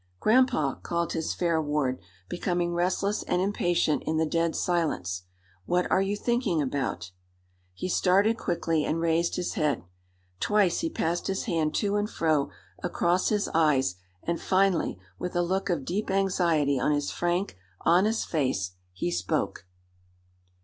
"Grandpa!" called his fair ward, becoming restless and impatient in the dead silence, "what are you thinking about?" He started quickly and raised his head. Twice he passed his hand to and fro across his eyes, and finally, with a look of deep anxiety on his frank, honest face, he spoke.